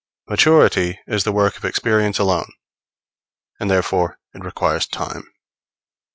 Maturity is the work of experience alone; and therefore it requires time.